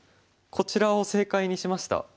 こちらを正解にしました。